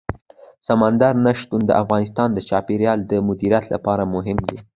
سمندر نه شتون د افغانستان د چاپیریال د مدیریت لپاره مهم دي.